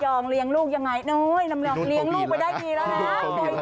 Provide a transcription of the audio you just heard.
องเลี้ยงลูกยังไงน้อยลำยองเลี้ยงลูกไปได้ดีแล้วนะ